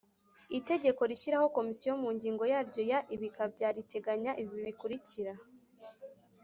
Itegeko rishyiraho Komisiyo mu ngingo yaryo ya ibika bya riteganya ibi bikurikira